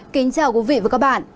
kính chào quý vị và các bạn